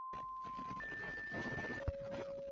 全国人大常委会委员长吴邦国为学院题写校名。